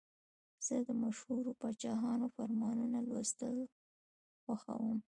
زه د مشهورو پاچاهانو فرمانونه لوستل خوښوم.